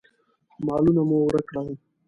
مالونه مو ورک کړل.